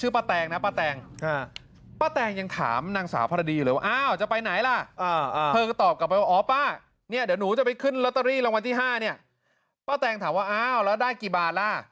ป้าแดงถามว่าอ้าวแล้วได้กี่บาทล่ะ